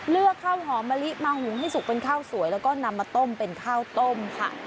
ข้าวหอมมะลิมาหุงให้สุกเป็นข้าวสวยแล้วก็นำมาต้มเป็นข้าวต้มค่ะ